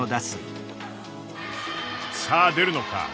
さあ出るのか？